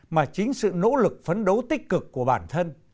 mà chính sự nỗ lực phấn đấu tích cực của bản thân